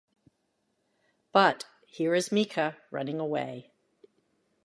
But, here is Mica, running away.